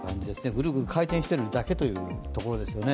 ぐるぐる回転しているだけというところですよね。